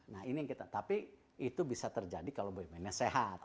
nah ini yang kita tapi itu bisa terjadi kalau bumn nya sehat